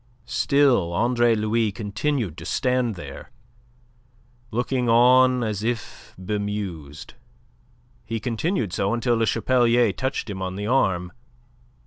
Still Andre Louis continued to stand there, looking on as if bemused. He continued so until Le Chapelier touched him on the arm.